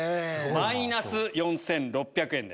マイナス４６００円です。